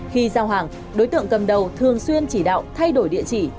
khi giao hàng đối tượng cầm đầu thường xuyên chỉ đạo thay đổi địa chỉ